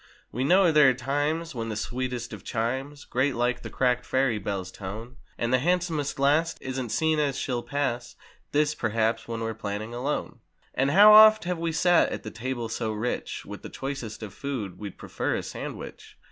We know there are times when the sweetest of chimes Grate like the cracked ferry bell's tone; And the handsomest lass isn't seen as she'll pass (This, perhaps, when we're planning a loan) And how oft have we sat at the table so rich With the choicest of food, we'd prefer a sandwich.